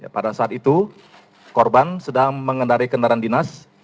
pada saat itu korban sedang mengendari kendaraan dinas